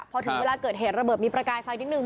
พอถึงเวลาเกิดเหตุระเบิดมีประกายไฟนิดนึ